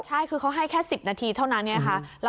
ใช่คือเขาให้แค่๑๐นาทีเท่านั้นนะคะ